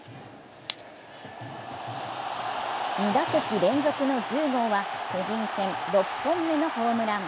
２打席連続の１０号は巨人戦６本目のホームラン。